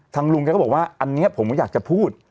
ทางลุงเค้าก็บอกว่าอันนี้ผมไม่อยากจะพูด